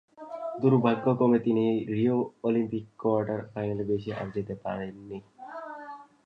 দুর্ভাগ্যক্রমে তিনি রিও অলিম্পিকে কোয়ার্টার ফাইনালের বেশি আর যেতে পারেননি।